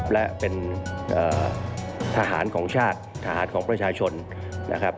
และเป็นทหารของชาติทหารของประชาชนนะครับ